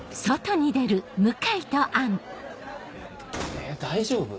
え大丈夫？